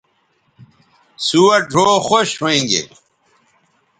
سوہ ڙھؤ خوش ھویں گے